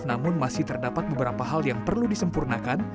namun masih terdapat beberapa hal yang perlu disempurnakan